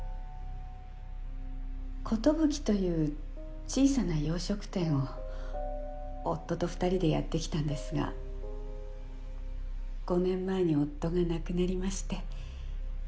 コトブキという小さな洋食店を夫と２人でやってきたんですが５年前に夫が亡くなりまして。